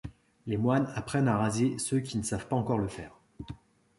Les moines apprennent à raser ceux qui ne savent pas encore le faire.